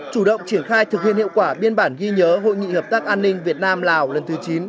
chủ động triển khai thực hiện hiệu quả biên bản ghi nhớ hội nghị hợp tác an ninh việt nam lào lần thứ chín